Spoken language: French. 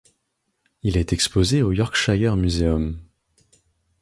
Il est exposé au Yorkshire Museum.